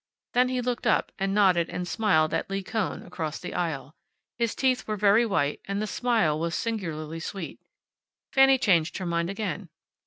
Then he looked up, and nodded and smiled at Lee Kohn, across the aisle. His teeth were very white, and the smile was singularly sweet. Fanny changed her mind again.